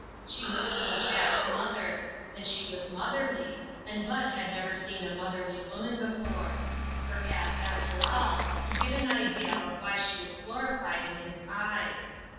She was little Jack's mother, and she was motherly, and Bud had never seen a moth erly woman before ; perhaps, after all, you get an idea of why she was glorified iu his eyes.